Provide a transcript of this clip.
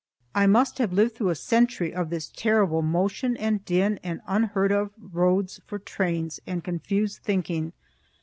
I must have lived through a century of this terrible motion and din and unheard of roads for trains, and confused thinking.